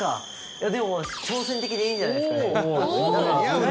でも、挑戦的でいいんじゃないでしょうかね。